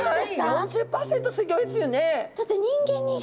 ４０％すギョいですよね。